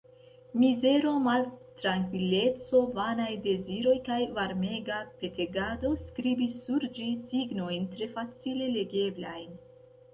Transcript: Mizero, maltrankvileco, vanaj deziroj kaj varmega petegado skribis sur ĝi signojn tre facile legeblajn.